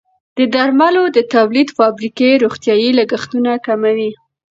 د درملو د تولید فابریکې روغتیايي لګښتونه کموي.